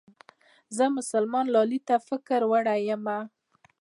زه مسلمان لالي ته فکر وړې يمه